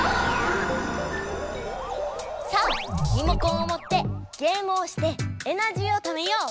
さあリモコンを持ってゲームをしてエナジーをためよう。